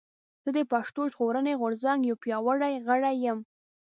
زه د پشتون ژغورنې غورځنګ يو پياوړي غړی یم